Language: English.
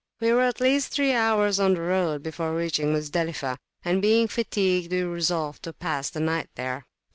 We were at least three hours on the road before reaching [p.201] Muzdalifah, and being fatigued, we resolved to pass the night there.